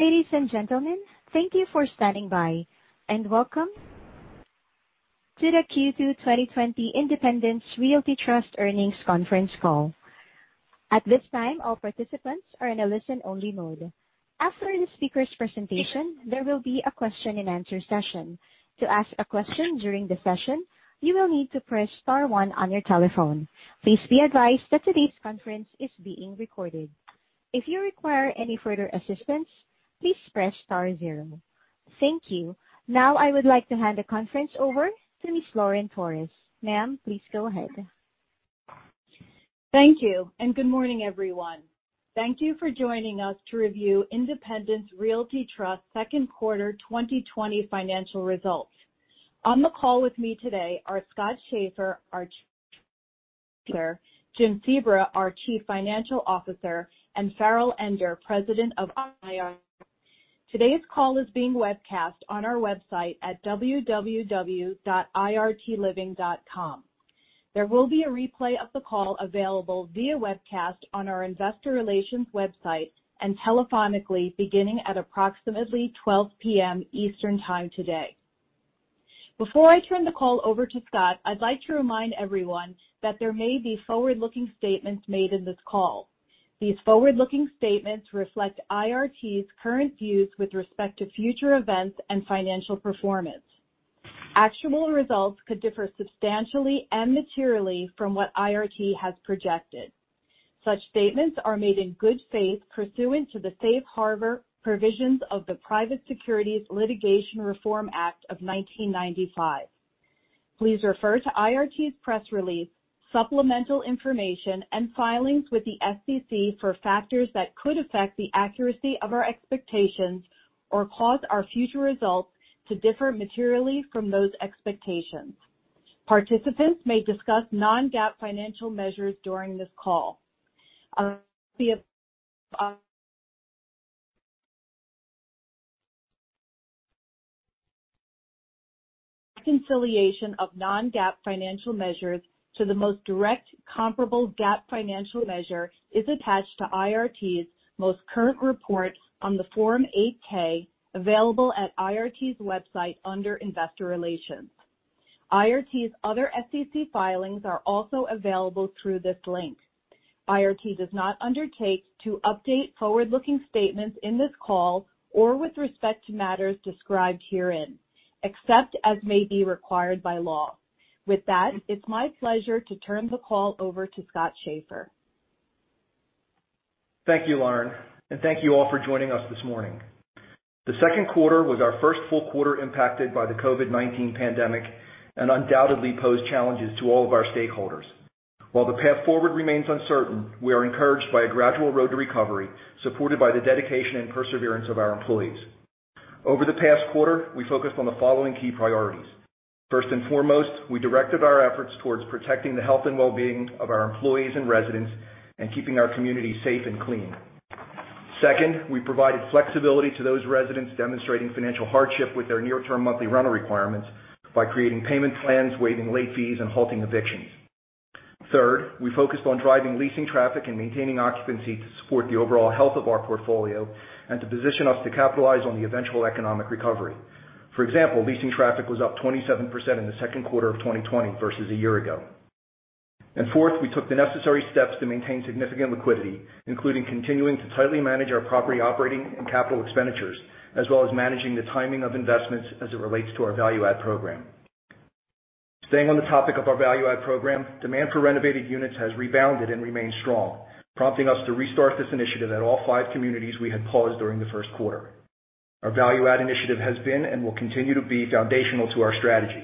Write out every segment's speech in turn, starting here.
Ladies and gentlemen, thank you for standing by. Welcome to the Q2 2020 Independence Realty Trust earnings conference call. At this time, all participants are in a listen-only mode. After the speaker's presentation, there will be a question-and-answer session. To ask a question during the session, you will need to press star one on your telephone. Please be advised that today's conference is being recorded. If you require any further assistance, please press star zero. Thank you. I would like to hand the conference over to Ms. Lauren Torres. Ma'am, please go ahead. Thank you. Good morning, everyone. Thank you for joining us to review Independence Realty Trust second quarter 2020 financial results. On the call with me today are Scott Schaeffer, our Jim Sebra, our Chief Financial Officer, and Farrell Ender, President of IRT. Today's call is being webcast on our website at www.irtliving.com. There will be a replay of the call available via webcast on our investor relations website and telephonically beginning at approximately 12:00 P.M. Eastern Time today. Before I turn the call over to Scott, I'd like to remind everyone that there may be forward-looking statements made in this call. These forward-looking statements reflect IRT's current views with respect to future events and financial performance. Actual results could differ substantially and materially from what IRT has projected. Such statements are made in good faith pursuant to the Safe Harbor provisions of the Private Securities Litigation Reform Act of 1995. Please refer to IRT's press release, supplemental information, and filings with the SEC for factors that could affect the accuracy of our expectations or cause our future results to differ materially from those expectations. Participants may discuss non-GAAP financial measures during this call. A reconciliation of non-GAAP financial measures to the most direct comparable GAAP financial measure is attached to IRT's most current report on the Form 8-K available at IRT's website under investor relations. IRT's other SEC filings are also available through this link. IRT does not undertake to update forward-looking statements in this call or with respect to matters described herein, except as may be required by law. With that, it's my pleasure to turn the call over to Scott Schaeffer. Thank you, Lauren, and thank you all for joining us this morning. The second quarter was our first full quarter impacted by the COVID-19 pandemic and undoubtedly posed challenges to all of our stakeholders. While the path forward remains uncertain, we are encouraged by a gradual road to recovery supported by the dedication and perseverance of our employees. Over the past quarter, we focused on the following key priorities. First and foremost, we directed our efforts towards protecting the health and well-being of our employees and residents and keeping our community safe and clean. Second, we provided flexibility to those residents demonstrating financial hardship with their near-term monthly rental requirements by creating payment plans, waiving late fees, and halting evictions. Third, we focused on driving leasing traffic and maintaining occupancy to support the overall health of our portfolio and to position us to capitalize on the eventual economic recovery. For example, leasing traffic was up 27% in the second quarter of 2020 versus a year ago. Fourth, we took the necessary steps to maintain significant liquidity, including continuing to tightly manage our property operating and capital expenditures, as well as managing the timing of investments as it relates to our Value Add Program. Staying on the topic of our Value Add Program, demand for renovated units has rebounded and remained strong, prompting us to restart this initiative at all five communities we had paused during the first quarter. Our Value Add Initiative has been and will continue to be foundational to our strategy.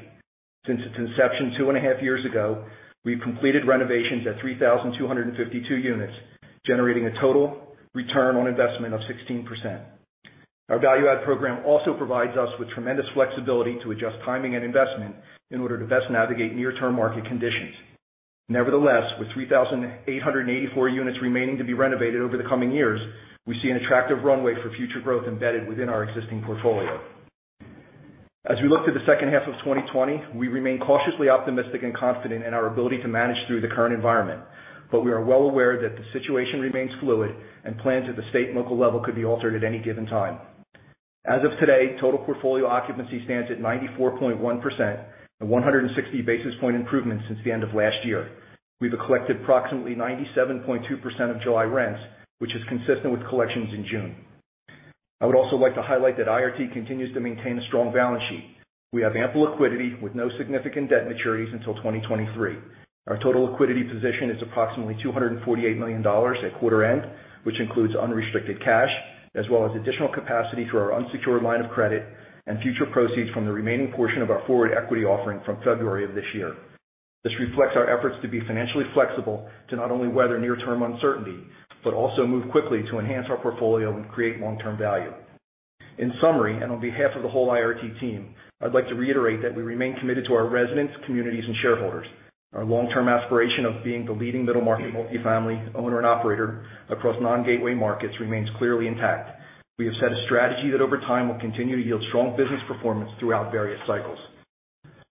Since its inception two and a half years ago, we've completed renovations at 3,252 units, generating a total return on investment of 16%. Our value add program also provides us with tremendous flexibility to adjust timing and investment in order to best navigate near-term market conditions. Nevertheless, with 3,884 units remaining to be renovated over the coming years, we see an attractive runway for future growth embedded within our existing portfolio. As we look to the second half of 2020, we remain cautiously optimistic and confident in our ability to manage through the current environment. We are well aware that the situation remains fluid and plans at the state and local level could be altered at any given time. As of today, total portfolio occupancy stands at 94.1%, a 160 basis point improvement since the end of last year. We've collected approximately 97.2% of July rents, which is consistent with collections in June. I would also like to highlight that IRT continues to maintain a strong balance sheet. We have ample liquidity with no significant debt maturities until 2023. Our total liquidity position is approximately $248 million at quarter end, which includes unrestricted cash, as well as additional capacity through our unsecured line of credit and future proceeds from the remaining portion of our forward equity offering from February of this year. This reflects our efforts to be financially flexible to not only weather near-term uncertainty, but also move quickly to enhance our portfolio and create long-term value. In summary, and on behalf of the whole IRT team, I'd like to reiterate that we remain committed to our residents, communities, and shareholders. Our long-term aspiration of being the leading middle-market multifamily owner and operator across non-gateway markets remains clearly intact. We have set a strategy that over time will continue to yield strong business performance throughout various cycles.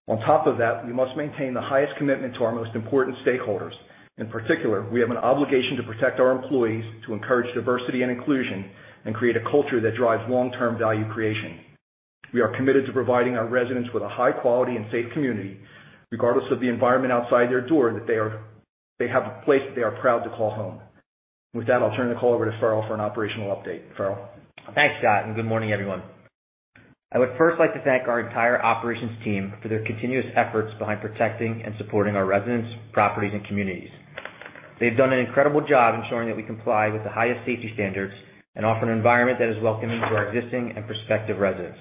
On top of that, we must maintain the highest commitment to our most important stakeholders. In particular, we have an obligation to protect our employees, to encourage diversity and inclusion, and create a culture that drives long-term value creation. We are committed to providing our residents with a high quality and safe community, regardless of the environment outside their door, that they have a place that they are proud to call home. With that, I'll turn the call over to Farrell for an operational update. Farrell? Thanks, Scott. Good morning, everyone. I would first like to thank our entire operations team for their continuous efforts behind protecting and supporting our residents, properties, and communities. They've done an incredible job ensuring that we comply with the highest safety standards and offer an environment that is welcoming to our existing and prospective residents.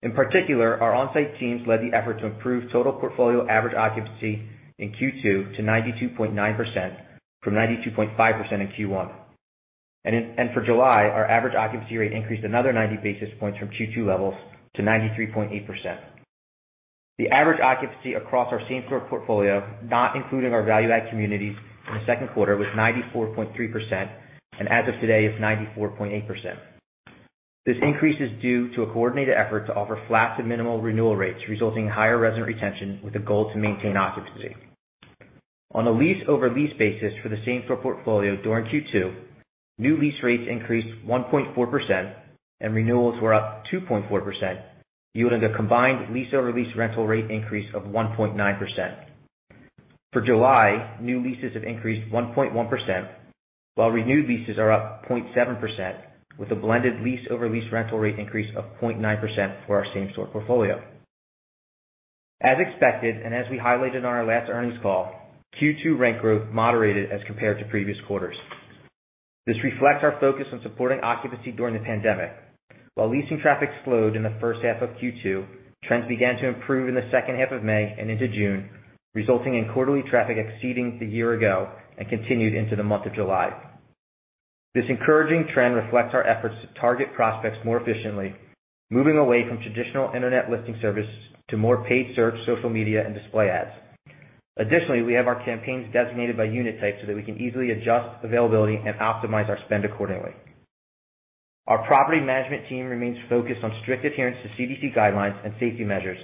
In particular, our on-site teams led the effort to improve total portfolio average occupancy in Q2 to 92.9%, from 92.5% in Q1. For July, our average occupancy rate increased another 90 basis points from Q2 levels to 93.8%. The average occupancy across our same store portfolio, not including our value add communities in the second quarter, was 94.3%, and as of today is 94.8%. This increase is due to a coordinated effort to offer flat to minimal renewal rates, resulting in higher resident retention with a goal to maintain occupancy. On a lease-over-lease basis for the same store portfolio during Q2, new lease rates increased 1.4% and renewals were up 2.4%, yielding a combined lease-over-lease rental rate increase of 1.9%. For July, new leases have increased 1.1%, while renewed leases are up 0.7%, with a blended lease-over-lease rental rate increase of 0.9% for our same store portfolio. As expected, and as we highlighted on our last earnings call, Q2 rent growth moderated as compared to previous quarters. This reflects our focus on supporting occupancy during the pandemic. While leasing traffic slowed in the first half of Q2, trends began to improve in the second half of May and into June, resulting in quarterly traffic exceeding the year ago and continued into the month of July. This encouraging trend reflects our efforts to target prospects more efficiently, moving away from traditional internet listing services to more paid search, social media, and display ads. Additionally, we have our campaigns designated by unit type so that we can easily adjust availability and optimize our spend accordingly. Our property management team remains focused on strict adherence to CDC guidelines and safety measures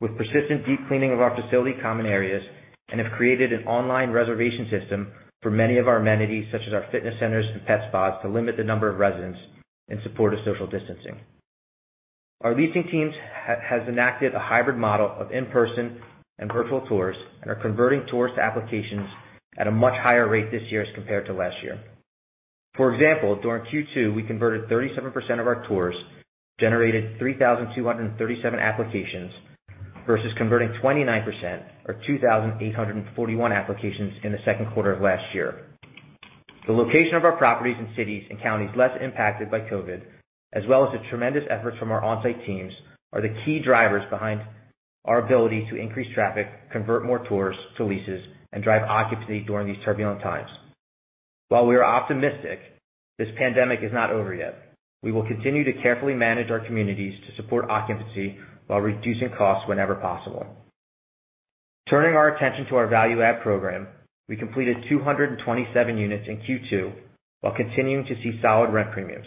with persistent deep cleaning of our facility common areas and have created an online reservation system for many of our amenities, such as our fitness centers and pet spas, to limit the number of residents in support of social distancing. Our leasing teams has enacted a hybrid model of in-person and virtual tours and are converting tours to applications at a much higher rate this year as compared to last year. For example, during Q2, we converted 37% of our tours, generated 3,237 applications versus converting 29% or 2,841 applications in the second quarter of last year. The location of our properties in cities and counties less impacted by COVID, as well as the tremendous efforts from our on-site teams, are the key drivers behind our ability to increase traffic, convert more tours to leases, and drive occupancy during these turbulent times. While we are optimistic, this pandemic is not over yet. We will continue to carefully manage our communities to support occupancy while reducing costs whenever possible. Turning our attention to our value add program, we completed 227 units in Q2 while continuing to see solid rent premiums.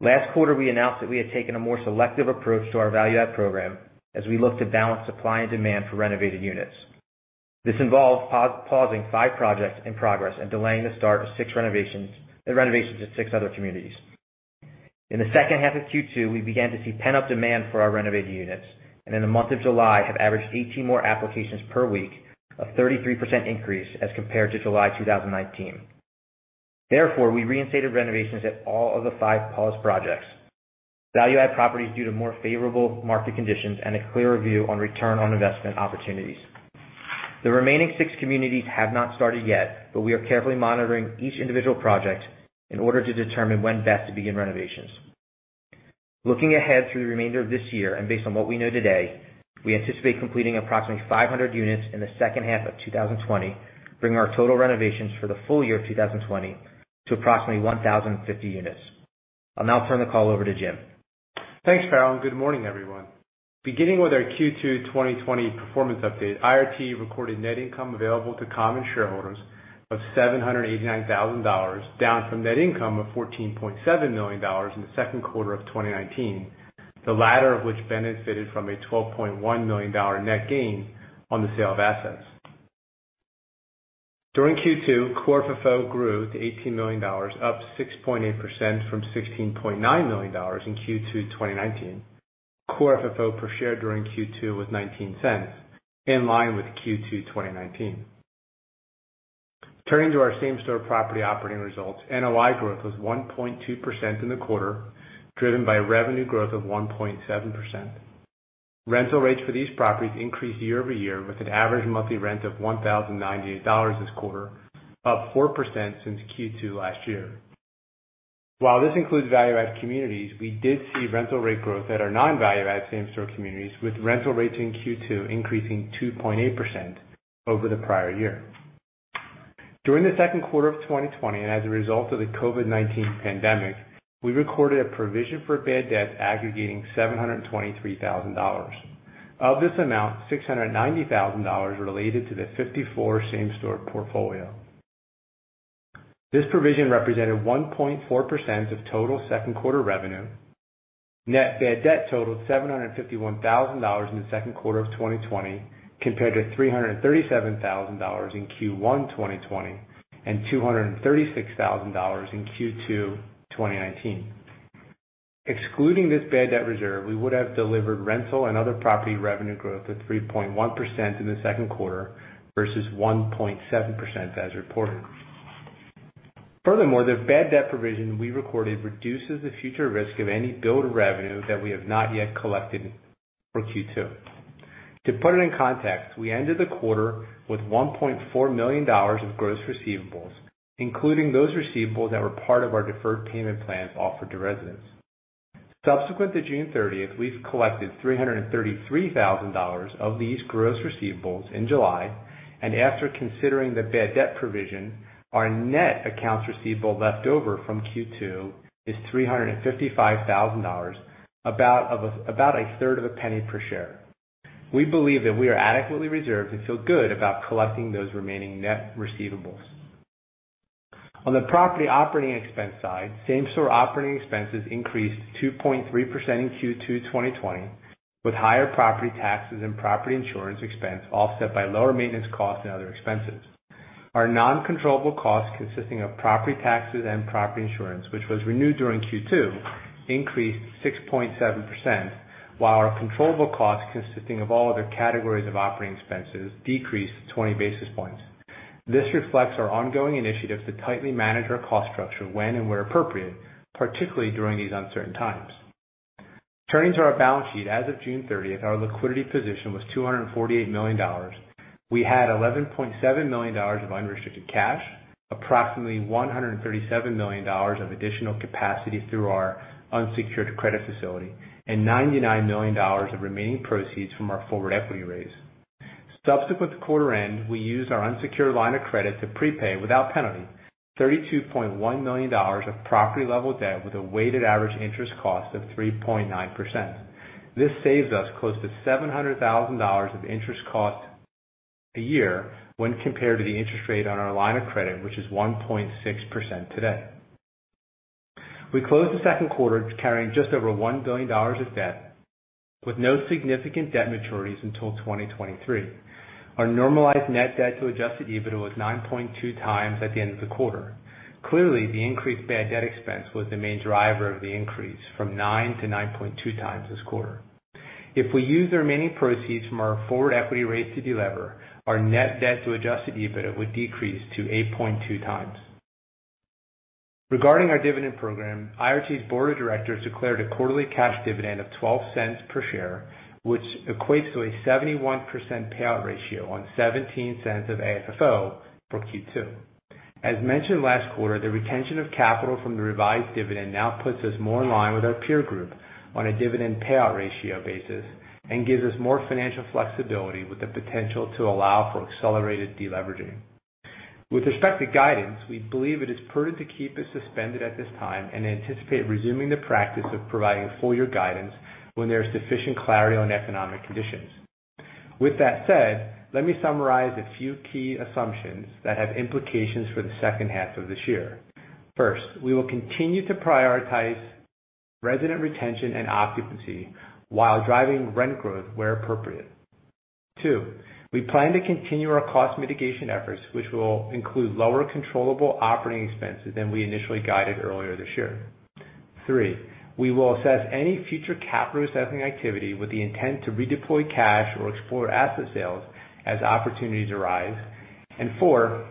Last quarter, we announced that we had taken a more selective approach to our value add program as we look to balance supply and demand for renovated units. This involved pausing five projects in progress and delaying the start of renovations at six other communities. In the second half of Q2, we began to see pent-up demand for our renovated units, and in the month of July have averaged 18 more applications per week, a 33% increase as compared to July 2019. We reinstated renovations at all of the five paused projects, value-add properties due to more favorable market conditions and a clearer view on return on investment opportunities. The remaining six communities have not started yet. We are carefully monitoring each individual project in order to determine when best to begin renovations. Looking ahead through the remainder of this year and based on what we know today, we anticipate completing approximately 500 units in the second half of 2020, bringing our total renovations for the full year of 2020 to approximately 1,050 units. I'll now turn the call over to Jim. Thanks, Farrell, and good morning, everyone. Beginning with our Q2 2020 performance update, IRT recorded net income available to common shareholders of $789,000, down from net income of $14.7 million in the second quarter of 2019, the latter of which benefited from a $12.1 million net gain on the sale of assets. During Q2, core FFO grew to $18 million, up 6.8% from $16.9 million in Q2 2019. Core FFO per share during Q2 was $0.19, in line with Q2 2019. Turning to our same-store property operating results, NOI growth was 1.2% in the quarter, driven by revenue growth of 1.7%. Rental rates for these properties increased year-over-year with an average monthly rent of $1,098 this quarter, up 4% since Q2 last year. While this includes value add communities, we did see rental rate growth at our non-value add same store communities, with rental rates in Q2 increasing 2.8% over the prior year. During the second quarter of 2020, and as a result of the COVID-19 pandemic, we recorded a provision for bad debt aggregating $723,000. Of this amount, $690,000 related to the 54 same store portfolio. This provision represented 1.4% of total second quarter revenue. Net bad debt totaled $751,000 in the second quarter of 2020 compared to $337,000 in Q1 2020 and $236,000 in Q2 2019. Excluding this bad debt reserve, we would have delivered rental and other property revenue growth of 3.1% in the second quarter versus 1.7% as reported. Furthermore, the bad debt provision we recorded reduces the future risk of any billed revenue that we have not yet collected for Q2. To put it in context, we ended the quarter with $1.4 million of gross receivables, including those receivables that were part of our deferred payment plans offered to residents. Subsequent to June 30th, we've collected $333,000 of these gross receivables in July, and after considering the bad debt provision, our net accounts receivable leftover from Q2 is $355,000, about a third of a penny per share. We believe that we are adequately reserved and feel good about collecting those remaining net receivables. On the property operating expense side, same-store operating expenses increased 2.3% in Q2 2020 with higher property taxes and property insurance expense offset by lower maintenance costs and other expenses. Our non-controllable costs, consisting of property taxes and property insurance, which was renewed during Q2, increased 6.7%, while our controllable costs, consisting of all other categories of operating expenses, decreased 20 basis points. This reflects our ongoing initiatives to tightly manage our cost structure when and where appropriate, particularly during these uncertain times. Turning to our balance sheet, as of June 30th, our liquidity position was $248 million. We had $11.7 million of unrestricted cash, approximately $137 million of additional capacity through our unsecured credit facility, and $99 million of remaining proceeds from our forward equity raise. Subsequent to quarter end, we used our unsecured line of credit to prepay, without penalty, $32.1 million of property level debt with a weighted average interest cost of 3.9%. This saves us close to $700,000 of interest cost a year when compared to the interest rate on our line of credit, which is 1.6% today. We closed the second quarter carrying just over $1 billion of debt with no significant debt maturities until 2023. Our normalized net debt to adjusted EBITDA was 9.2x at the end of the quarter. Clearly, the increased bad debt expense was the main driver of the increase from nine to 9.2x this quarter. If we use the remaining proceeds from our forward equity raise to delever, our net debt to adjusted EBITDA would decrease to 8.2x. Regarding our dividend program, IRT's board of directors declared a quarterly cash dividend of $0.12 per share, which equates to a 71% payout ratio on $0.17 of AFFO for Q2. As mentioned last quarter, the retention of capital from the revised dividend now puts us more in line with our peer group on a dividend payout ratio basis and gives us more financial flexibility with the potential to allow for accelerated deleveraging. With respect to guidance, we believe it is prudent to keep it suspended at this time and anticipate resuming the practice of providing full year guidance when there is sufficient clarity on economic conditions. With that said, let me summarize a few key assumptions that have implications for the second half of this year. First, we will continue to prioritize resident retention and occupancy while driving rent growth where appropriate. Two, we plan to continue our cost mitigation efforts, which will include lower controllable operating expenses than we initially guided earlier this year. Three, we will assess any future capital accessing activity with the intent to redeploy cash or explore asset sales as opportunities arise. Four,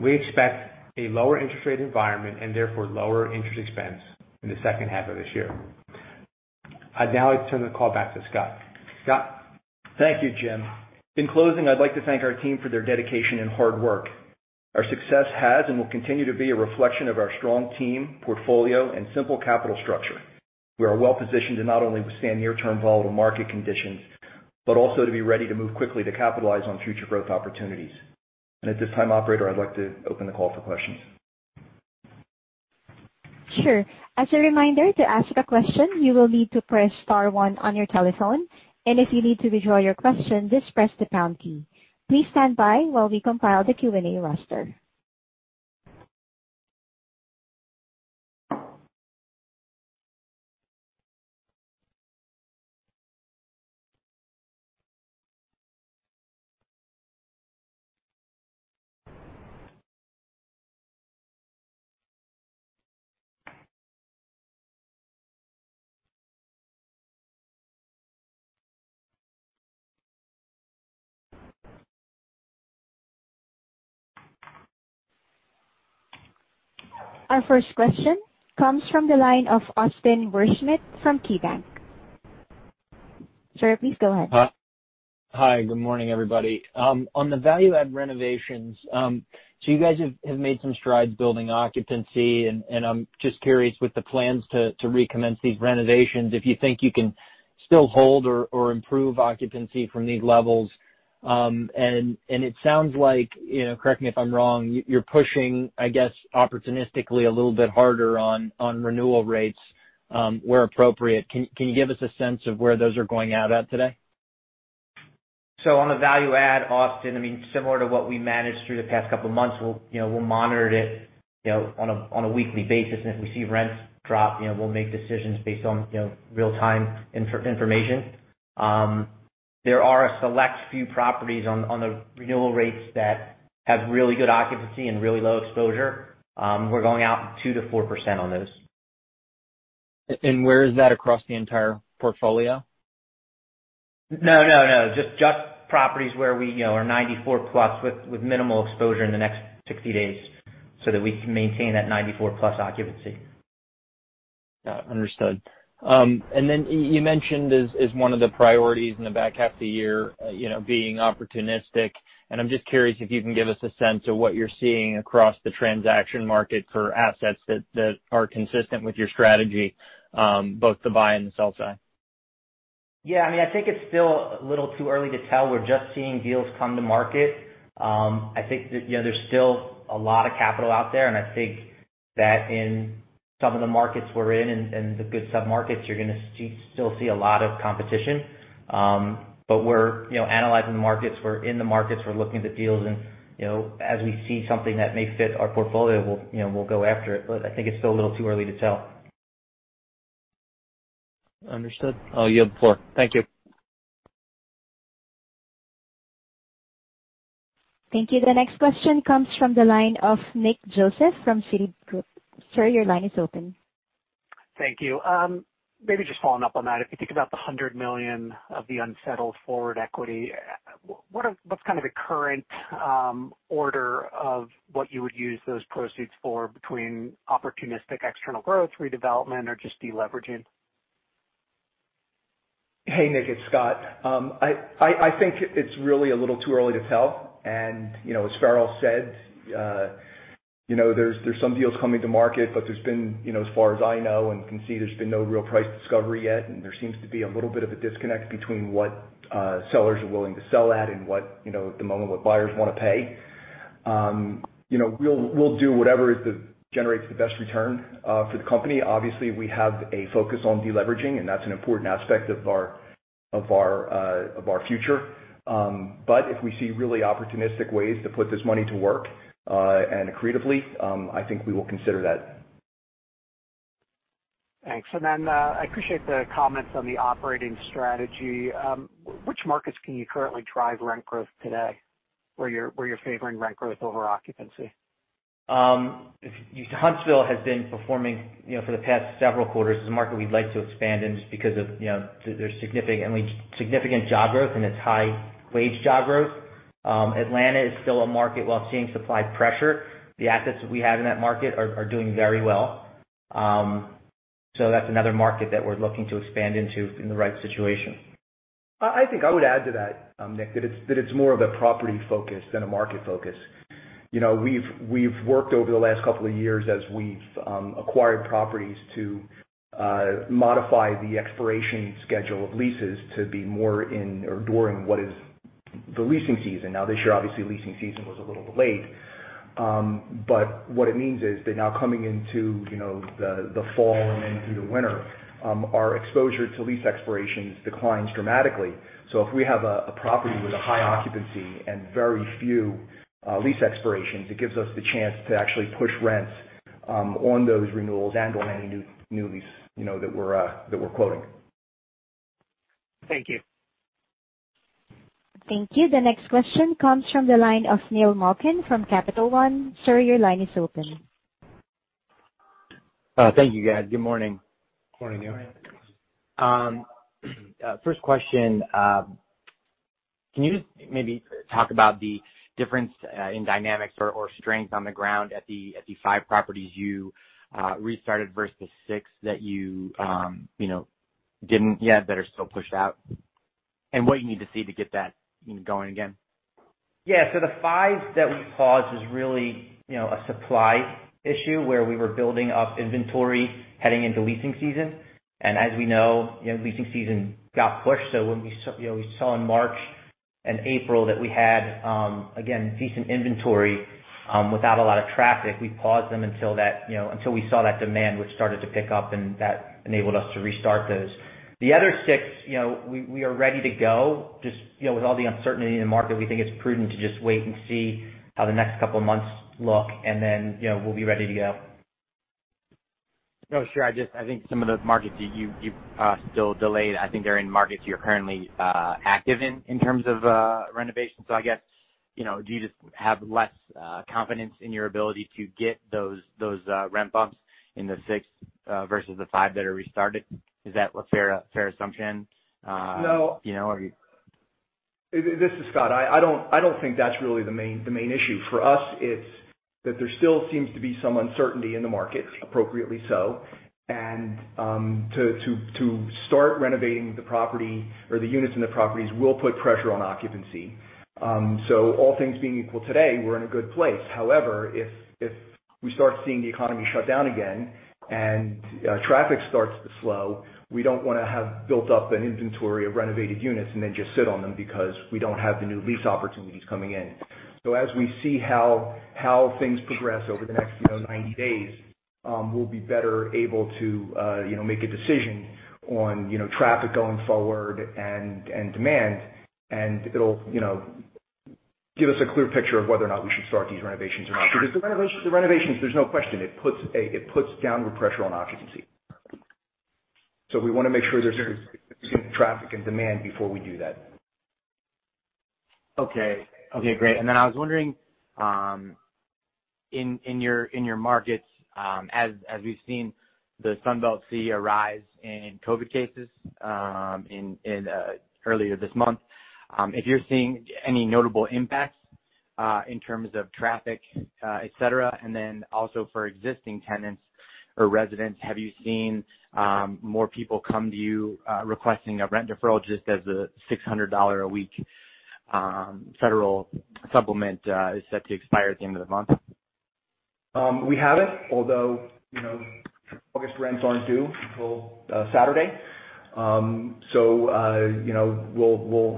we expect a lower interest rate environment and therefore lower interest expense in the second half of this year. I'd now like to turn the call back to Scott. Scott? Thank you, Jim. In closing, I'd like to thank our team for their dedication and hard work. Our success has and will continue to be a reflection of our strong team, portfolio, and simple capital structure. We are well positioned to not only withstand near-term volatile market conditions, but also to be ready to move quickly to capitalize on future growth opportunities. At this time, operator, I'd like to open the call for questions. Sure. As a reminder, to ask a question, you will need to press star one on your telephone, and if you need to withdraw your question, just press the pound key. Please stand by while we compile the Q&A roster. Our first question comes from the line of Austin Wurschmidt from KeyBanc. Sir, please go ahead. Hi. Good morning, everybody. On the value add renovations, so you guys have made some strides building occupancy, and I'm just curious, with the plans to recommence these renovations, if you think you can still hold or improve occupancy from these levels. It sounds like, correct me if I'm wrong, you're pushing, I guess, opportunistically a little bit harder on renewal rates where appropriate. Can you give us a sense of where those are going at out today? On the value add, Austin, similar to what we managed through the past couple of months, we'll monitor it on a weekly basis, and if we see rents drop, we'll make decisions based on real-time information. There are a select few properties on the renewal rates that have really good occupancy and really low exposure. We're going out 2%-4% on those. Where is that across the entire portfolio? No. Just properties where we are 94+ with minimal exposure in the next 60 days, so that we can maintain that 94+ occupancy. Got it. Understood. You mentioned as one of the priorities in the back half of the year, being opportunistic. I'm just curious if you can give us a sense of what you're seeing across the transaction market for assets that are consistent with your strategy, both the buy and the sell side. Yeah. I think it's still a little too early to tell. We're just seeing deals come to market. I think that there's still a lot of capital out there, and I think that in some of the markets we're in and the good sub-markets, you're going to still see a lot of competition. We're analyzing the markets. We're in the markets, we're looking at the deals, and as we see something that may fit our portfolio, we'll go after it. I think it's still a little too early to tell. Understood. I'll yield the floor. Thank you. Thank you. The next question comes from the line of Nick Joseph from Citigroup. Sir, your line is open. Thank you. Maybe just following up on that. If you think about the $100 million of the unsettled forward equity, what's the current order of what you would use those proceeds for between opportunistic external growth, redevelopment, or just de-leveraging? Hey, Nick, it's Scott. I think it's really a little too early to tell. As Farrell said, there's some deals coming to market, but there's been, as far as I know and can see, there's been no real price discovery yet. There seems to be a little bit of a disconnect between what sellers are willing to sell at and at the moment, what buyers want to pay. We'll do whatever generates the best return for the company. Obviously, we have a focus on de-leveraging, and that's an important aspect of our future. If we see really opportunistic ways to put this money to work and creatively, I think we will consider that. Thanks. I appreciate the comments on the operating strategy. Which markets can you currently drive rent growth today, where you're favoring rent growth over occupancy? Huntsville has been performing for the past several quarters. It's a market we'd like to expand in just because of their significant job growth, and it's high-wage job growth. Atlanta is still a market, while seeing supply pressure, the assets that we have in that market are doing very well. That's another market that we're looking to expand into in the right situation. I think I would add to that, Nick, that it's more of a property focus than a market focus. We've worked over the last couple of years as we've acquired properties to modify the expiration schedule of leases to be more in or during what is the leasing season. This year, obviously, leasing season was a little delayed. What it means is that now coming into the fall and then through the winter, our exposure to lease expirations declines dramatically. If we have a property with a high occupancy and very few lease expirations, it gives us the chance to actually push rents on those renewals and on any new lease that we're quoting. Thank you. Thank you. The next question comes from the line of Neil Malkin from Capital One. Sir, your line is open. Thank you, guys. Good morning. Morning, Neil. Morning. First question. Can you just maybe talk about the difference in dynamics or strength on the ground at the five properties you restarted versus six that you didn't yet, that are still pushed out, and what you need to see to get that going again? Yeah. The five that we paused is really a supply issue where we were building up inventory heading into leasing season. As we know, leasing season got pushed. When we saw in March and April that we had, again, decent inventory without a lot of traffic, we paused them until we saw that demand, which started to pick up, and that enabled us to restart those. The other six, we are ready to go. Just with all the uncertainty in the market, we think it's prudent to just wait and see how the next couple of months look, and then we'll be ready to go. No, sure. I think some of the markets that you've still delayed, I think they're in markets you're currently active in terms of renovation. I guess, do you just have less confidence in your ability to get those rent bumps in the six versus the five that are restarted? Is that a fair assumption? No. Are you- This is Scott. I don't think that's really the main issue. For us, it's that there still seems to be some uncertainty in the market, appropriately so. To start renovating the property or the units in the properties will put pressure on occupancy. All things being equal today, we're in a good place. However, if we start seeing the economy shut down again and traffic starts to slow, we don't want to have built up an inventory of renovated units and then just sit on them because we don't have the new lease opportunities coming in. As we see how things progress over the next 90 days, we'll be better able to make a decision on traffic going forward and demand. It'll give us a clear picture of whether or not we should start these renovations or not. Because the renovations, there's no question, it puts downward pressure on occupancy. We want to make sure there's good traffic and demand before we do that. Okay. Great. Then I was wondering, in your markets, as we've seen the Sun Belt see a rise in COVID cases earlier this month, if you're seeing any notable impacts in terms of traffic, et cetera. Then also for existing tenants or residents, have you seen more people come to you, requesting a rent deferral just as a $600 a week federal supplement is set to expire at the end of the month? We haven't, although August rents aren't due until Saturday. We'll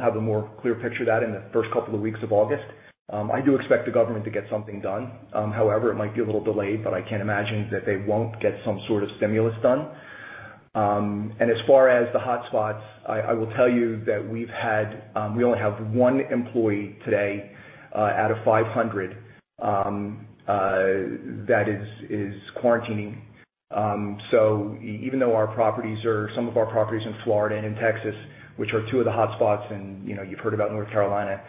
have a more clear picture of that in the first couple of weeks of August. I do expect the government to get something done. However, it might be a little delayed, but I can't imagine that they won't get some sort of stimulus done. As far as the hotspots, I will tell you that we only have one employee today out of 500 that is quarantining. Even though some of our properties in Florida and in Texas, which are two of the hotspots, and you've heard about North Carolina,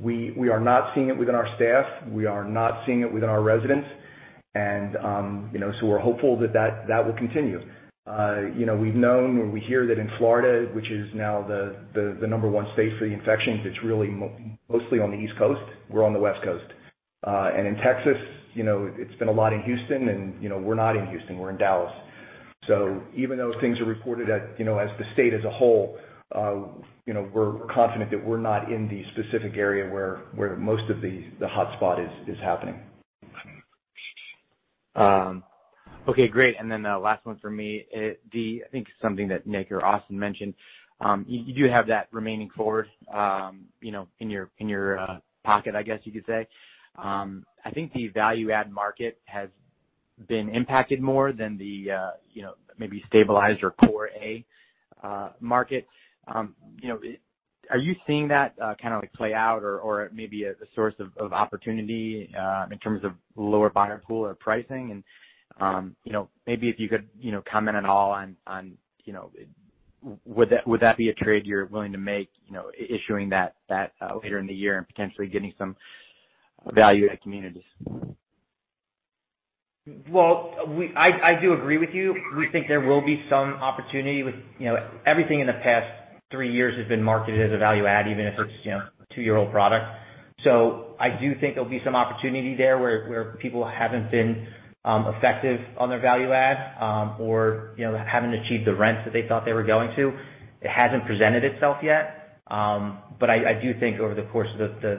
we are not seeing it within our staff. We are not seeing it within our residents. We're hopeful that will continue. We've known or we hear that in Florida, which is now the number one state for the infections, it's really mostly on the East Coast. We're on the West Coast. In Texas, it's been a lot in Houston and we're not in Houston, we're in Dallas. Even though things are reported as the state as a whole, we're confident that we're not in the specific area where most of the hotspot is happening. Okay, great. The last one for me, I think something that Nick or Austin mentioned, you do have that remaining forward in your pocket, I guess you could say. I think the value add market has been impacted more than the maybe stabilized or core A market. Are you seeing that kind of play out or maybe a source of opportunity in terms of lower buyer pool or pricing and maybe if you could comment at all on would that be a trade you're willing to make issuing that later in the year and potentially getting some value add communities? Well, I do agree with you. We think there will be some opportunity with everything in the past three years has been marketed as a value add, even if it's a two-year-old product. I do think there'll be some opportunity there where people haven't been effective on their value add, or haven't achieved the rents that they thought they were going to. It hasn't presented itself yet. I do think over the course of the.